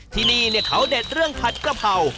ที่นี่เขาเด็ดเรื่องผัดกระเพรา